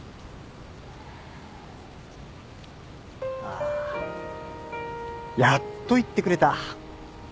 あやっと言ってくれた。